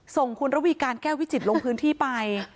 ส่งคุณระวีการแก้ววิจิตรลงพื้นที่ไป